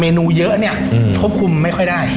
เนื้อเยอะเนี่ยควบคุมไม่ค่อยได้